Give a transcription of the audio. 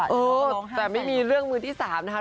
เออแต่ไม่มีเรื่องมือที่๓นะคะ